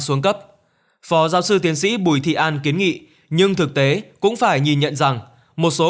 xuống cấp phó giáo sư tiến sĩ bùi thị an kiến nghị nhưng thực tế cũng phải nhìn nhận rằng một số